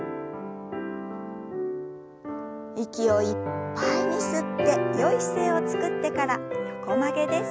息をいっぱいに吸ってよい姿勢をつくってから横曲げです。